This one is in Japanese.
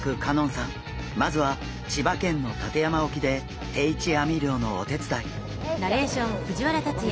まずは千葉県の館山沖で定置網漁のお手伝い。